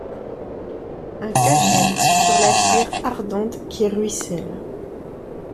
Un cachet sur la cire ardente qui ruisselle